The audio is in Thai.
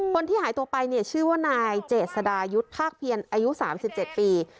คนที่หายตัวไปเนี่ยชื่อว่านายเจษดายุทธ์ภาคเพียรอายุ๓๗ปี